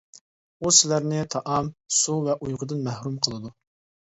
ئۇ سىلەرنى تائام، سۇ ۋە ئۇيقۇدىن مەھرۇم قىلىدۇ.